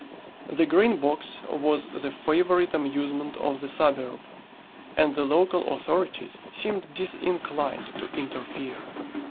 The Green Box was the favourite amusement of the suburb, and the local authorities seemed disinclined to interfere.